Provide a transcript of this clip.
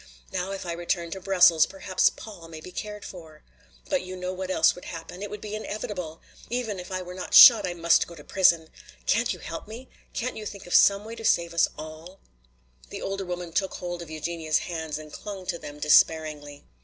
"Now if I return to Brussels perhaps Paul may be cared for. But you know what else would happen. It would be inevitable! Even if I were not shot I must go to prison. Can't you help me? Can't you think of some way to save us all?" The older woman took hold of Eugenia's hands and clung to them despairingly.